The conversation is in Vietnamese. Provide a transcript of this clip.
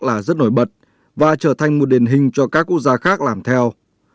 là rất nổi bật và trở thành một điển hình cho các quốc gia khác làm theo